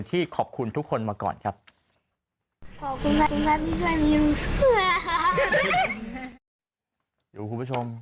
ที่ขอบคุณทุกคนมาก่อนครับขอบคุณที่ช่วยมียูช่วยคุณผู้ชม